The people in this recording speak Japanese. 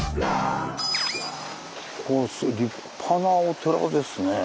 ここ立派なお寺ですね。